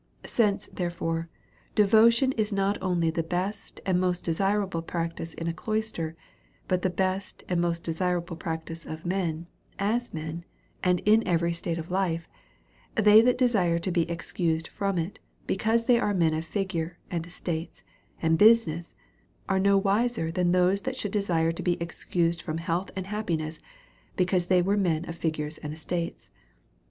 Since, therefore, devotion is not only the best and most desirable practice in a cloister, but the best and most desirable practice of men, as men, and in every state of life, they that desire to be excused from it, be cause they are men of figure, and estates, and busi ness, are no wiser than those that should desire to be excused from health and happiness, because they were men of figure and estates.